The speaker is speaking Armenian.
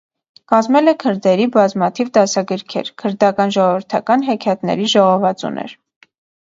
Կազմել է քրդերենի բազմաթիվ դասագրքեր, քրդական ժողովրդական հեքիաթների ժողովածուներ։